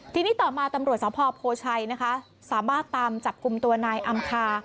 ทีนี้ต่อมาตำรวจสพโพชัยนะคะสามารถตามจับกลุ่มตัวนายอำคา